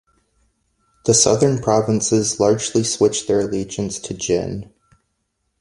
The southern provinces largely switched their allegiance to Jin.